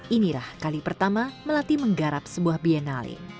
inilah kali pertama melati menggarap sebuah biennale